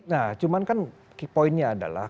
nah cuman kan key point nya adalah